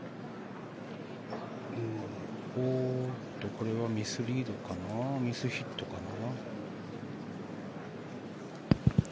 これはミスリードかなミスヒットかな。